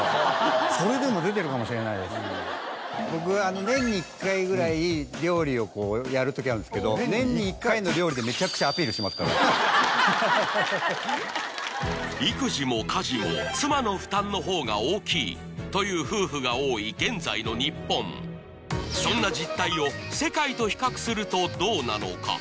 僕年に１回ぐらい料理をやる時あるんですけど。という夫婦が多い現在の日本そんな実態を世界と比較するとどうなのか？